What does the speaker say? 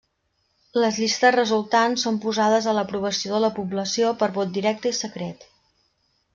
Les llistes resultants són posades a l'aprovació de la població per vot directe i secret.